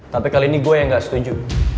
tapi kali ini gue yang gak setuju